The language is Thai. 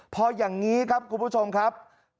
พออย่างนี้ครับคุณผู้ชมครับ